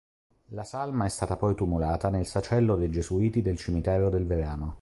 La salma è stata poi tumulata nel sacello dei gesuiti del cimitero del Verano.